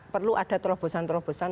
perlu ada terobosan terobosan